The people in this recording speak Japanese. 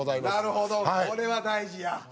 なるほどこれは大事や。